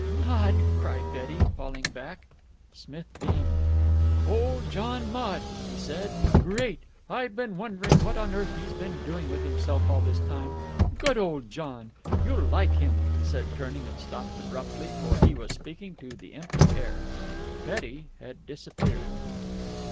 "Maude!" cried Betty, falling back. Smith beamed. "Old John Maude!" he said. "Great! I've been wondering what on earth he's been doing with himself all this time. Good old John! You'll like him," he said, turning, and stopped abruptly, for he was speaking to the empty air. Betty had disappeared.